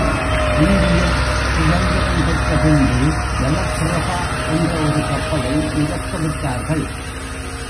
இந்தியர் சுதந்திரம் பெற்ற பின்பு ஜலப்பிரபா என்ற ஒரு கப்பலை மிதக்கவிட்டார்கள்.